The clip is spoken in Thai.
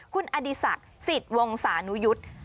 คุณอดีศักดิ์สิทธิ์วงศานุยุทธ์